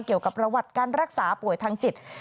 เกี่ยวกับประวัติการรักษาป่วยทางจิต